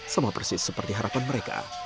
sama persis seperti harapan mereka